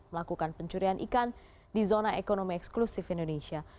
melakukan pencurian ikan di zona ekonomi eksklusif indonesia